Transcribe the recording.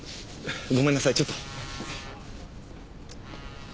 ごめんなさいちょっと。